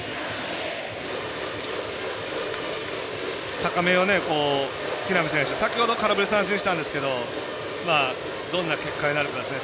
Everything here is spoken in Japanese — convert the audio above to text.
高めを木浪選手先ほど、空振り三振したんですがどんな結果になるかですね。